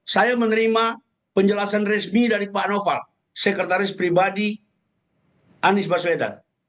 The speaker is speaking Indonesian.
saya menerima penjelasan resmi dari pak noval sekretaris pribadi anies baswedan